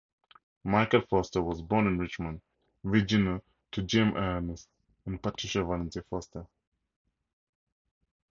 Michael Foster was born in Richmond, Virginia to James Ernest and Patricia Valenti Foster.